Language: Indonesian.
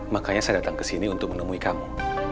makanya saya datang ke sini untuk menemui kamu